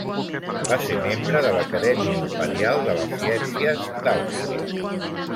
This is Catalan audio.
Va ser membre de l'Acadèmia Imperial de les Ciències d'Àustria.